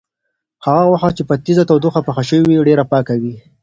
هغه غوښه چې په تیزه تودوخه پخه شوې وي، ډېره پاکه وي.